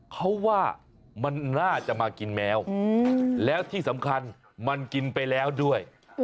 เขาว่ามันน่าจะมากินแมวแล้วที่สำคัญมันกินไปแล้วด้วย